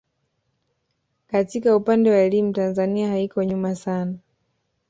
Katika upande wa elimu Tanzania haiko nyuma sana